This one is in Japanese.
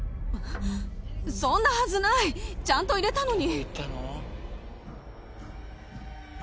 そんなはずないちゃんと入れたのに！